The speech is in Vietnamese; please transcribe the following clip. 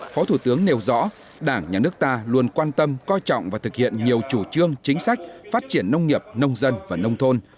phó thủ tướng nêu rõ đảng nhà nước ta luôn quan tâm coi trọng và thực hiện nhiều chủ trương chính sách phát triển nông nghiệp nông dân và nông thôn